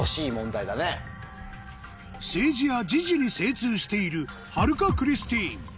政治や時事に精通している春香クリスティーン